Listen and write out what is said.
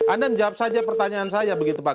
anda menjawab saja pertanyaan saya begitu pak